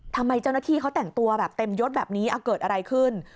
ทำไมเจ้าหน้าที่เขาแต่งตัวแบบเต็มยดแบบนี้เกิดอะไรขึ้น